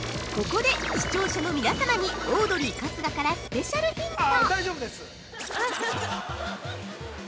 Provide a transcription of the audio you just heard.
◆ここで視聴者の皆様にオードリー春日からスペシャルヒント。